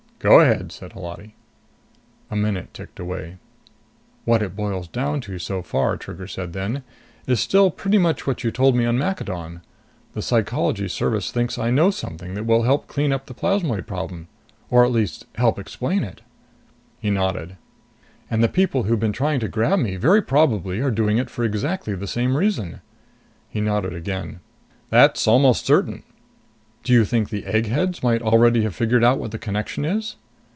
"Go ahead," said Holati. A minute ticked away. "What it boils down to so far," Trigger said then, "is still pretty much what you told me on Maccadon. The Psychology Service thinks I know something that might help clean up the plasmoid problem. Or at least help explain it." He nodded. "And the people who've been trying to grab me very probably are doing it for exactly the same reason." He nodded again. "That's almost certain." "Do you think the eggheads might already have figured out what the connection is?"